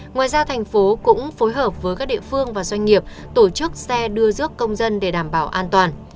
ngoài ra thành phố cũng phối hợp với các địa phương và doanh nghiệp tổ chức xe đưa rước công dân để đảm bảo an toàn